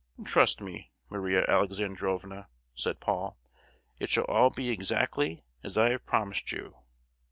"Trust me, Maria Alexandrovna!" said Paul, "it shall all be exactly as I have promised you!"